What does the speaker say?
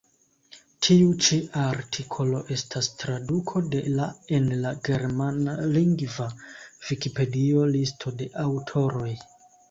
Tiu ĉi artikolo estas traduko de la en la germanlingva vikipedio, listo de aŭtoroj.